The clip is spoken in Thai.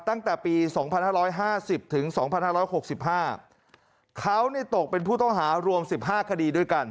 ตั้งแต่ปี๒๕๕๐ถึง๒๕๖๕เขาตกเป็นผู้ต้องหารวม๑๕คดีด้วยกัน